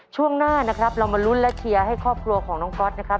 ช่วงหน้านะครับเรามาลุ้นและเชียร์ให้ครอบครัวของน้องก๊อตนะครับ